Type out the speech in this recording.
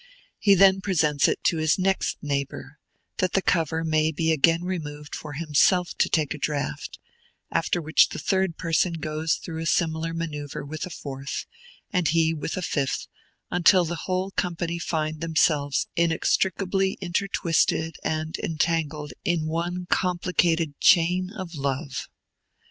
He then presents it to his next neighbor, that the cover may be again removed for himself to take a draught, after which the third person goes through a similar manoeuvre with a fourth, and he with a fifth, until the whole company find themselves inextricably intertwisted and entangled in one complicated chain of love.